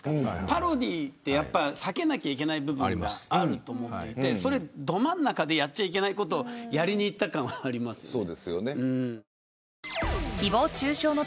パロディーって、やっぱ避けなきゃいけない部分があると思っていてそれ、ど真ん中でやっちゃいけないことをやりにいった感はありますよね。